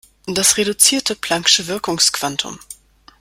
Das reduzierte plancksche Wirkungsquantum.